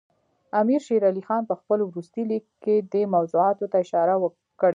امیر شېر علي خان په خپل وروستي لیک کې دې موضوعاتو ته اشاره کړې.